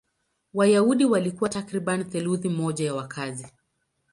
Wayahudi walikuwa takriban theluthi moja ya wakazi.